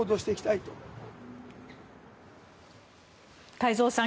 太蔵さん